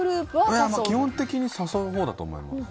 基本的に誘うほうだと思います。